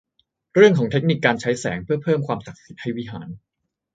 เรื่องของเทคนิคการใช้แสงเพื่อเพิ่มความศักดิ์สิทธิ์ให้วิหาร